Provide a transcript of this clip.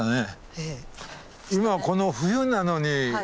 ええ。